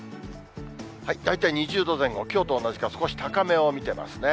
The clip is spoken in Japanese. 大体２０度前後、きょうと同じか少し高めを見てますね。